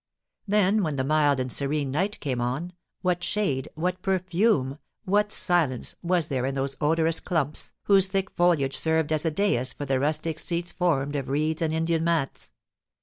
Then, when the mild and serene night came on, what shade, what perfume, what silence, was there in those odorous clumps, whose thick foliage served as a dais for the rustic seats formed of reeds and Indian mats.